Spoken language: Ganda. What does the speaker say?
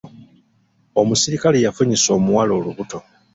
Omusirikale yafunisa omuwala olubuto.